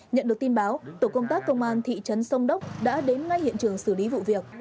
nhận được tin báo tổ công tác công an thị trấn sông đốc đã đến ngay hiện trường xử lý vụ việc